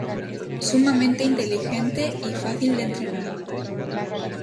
Sumamente inteligente y fácil de entrenar.